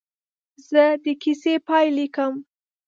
زه د کیسې پاې لیکم.